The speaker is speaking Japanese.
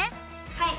はい！